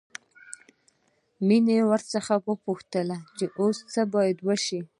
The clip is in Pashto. مينې ورڅخه وپوښتل خو اوس څه بايد وشي.